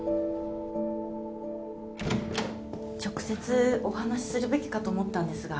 直接お話しするべきかと思ったんですが。